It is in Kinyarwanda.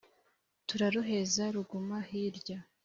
turaruheza ruguma hirya